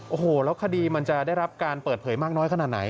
โอ้โหแล้วคดีมันจะได้รับการเปิดเผยมากน้อยขนาดไหน